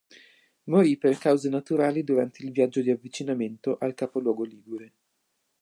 Morì per cause naturali durante il viaggio di avvicinamento al capoluogo ligure.